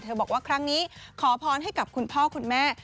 บอกว่าครั้งนี้ขอพรให้กับคุณพ่อคุณแม่